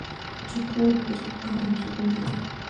چې ټول پکې په امن او سکون کې وي.